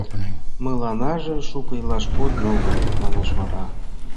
— Мыланнаже шуко илаш кодын огыл, — манеш вара.